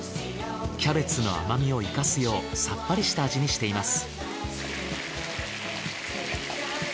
キャベツの甘みを生かすようさっぱりした味にしています。